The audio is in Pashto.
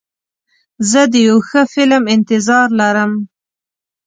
زه د یو ښه فلم انتظار لرم.